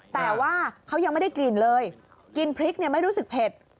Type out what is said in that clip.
แต่ว่าเขายังไม่ได้กลิ่นเลยกินพริกเนี่ยไม่รู้สึกเผ็ด